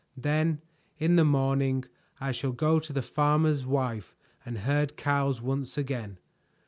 "Then in the morning I shall go to the farmer's wife and herd cows once again.